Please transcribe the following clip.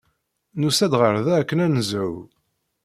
Nusa-d ɣer da akken ad nezhu.